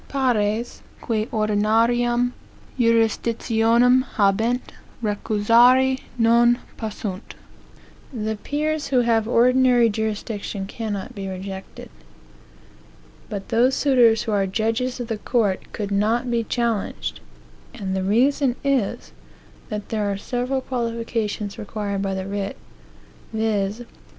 Pares qui ordinariam jurisdictionem habent recusari non possunt; (the peers who have ordinary jurisdiction cannot be rejected;) "but those suitors who are judges of the court, could not be challenged; and the reason is, that there are several qualifications required by the writ, viz.